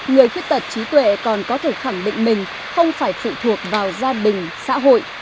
người khuyết tật trí tuệ còn có thể khẳng định mình không phải phụ thuộc vào gia đình xã hội